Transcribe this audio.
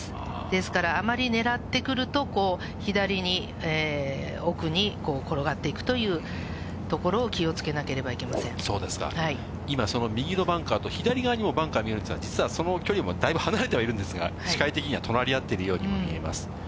ですから、あまりねらってくると、左に奥に、転がっていくというところを気をそうですか。今、その右のバンカーと左側にもバンカー見えるんですが、実はその距離もだいぶ離れてはいるんですが、視界的には隣り合ってるようにも見えます。